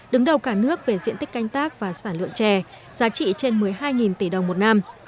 đứng đầu cả nước về diện tích canh tác và sản lượng trè giá trị trên một mươi hai tỷ đồng một năm